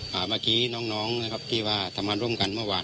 เมื่อกี้น้องที่ทำร่วมกันเมื่อวาน